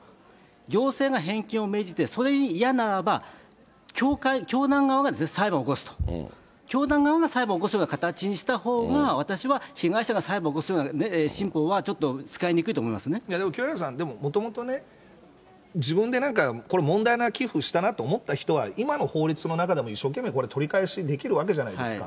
行政が返金を命じて、それに嫌ならば、教会、教団側が裁判を起こすと、教団側が裁判を起こすような形にしたほうが、私は被害者が裁判起こすような新法はちょっと使いにくいと思いまいやでも、清原さん、もともとね、自分でなんかこれ、問題な寄付したなと思った人は、今の法律の中でも一生懸命これ、取り返しできるわけじゃないですか。